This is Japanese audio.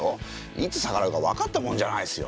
いつ逆らうか分かったもんじゃないですよ。